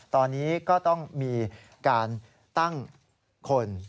ตอนนี้ก็ต้องมีการตั้งคน